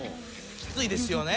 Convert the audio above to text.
きついですよね。